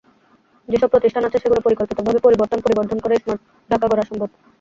যেসব প্রতিষ্ঠান আছে, সেগুলো পরিকল্পিতভাবে পরিবর্তন, পরিবর্ধন করে স্মার্ট ঢাকা গড়া সম্ভব।